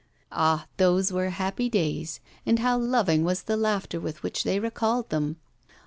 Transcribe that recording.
Ah! those were happy days, and how loving was the laughter with which they recalled them.